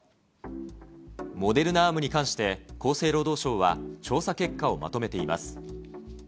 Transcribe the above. モデルナアームに関して、厚生労働省は調査結果をまとめています。